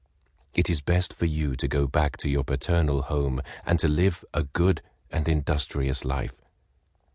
It is best for you to go back to your paternal home, and to live a good and industrious life.